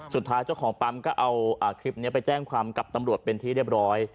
เจ้าของปั๊มก็เอาคลิปนี้ไปแจ้งความกับตำรวจเป็นที่เรียบร้อย